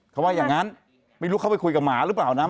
เขาว่าอย่างนั้นไม่รู้เขาไปคุยกับหมาหรือเปล่านะ